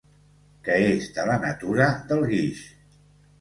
Que és de la natura del guix.